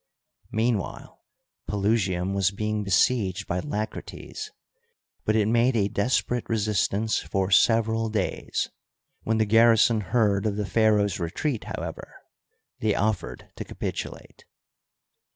Meanwhile, Pelusium was being besieged by Lacrates, but it made a desperate re sistance for several days ; when the garrison heard of the pharaoh's retreat, however, they offered to capitulate.